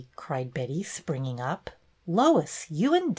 cried Betty, springing up. "Lois, you and Dunny first."